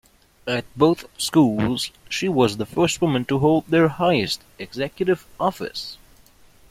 At both schools, she was the first woman to hold their highest executive office.